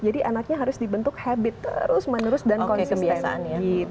jadi anaknya harus dibentuk habit terus menerus dan konsisten